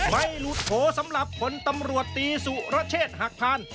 ไม่หลุดโทสำหรับคนตำรวจตีสุระเชษหักพาน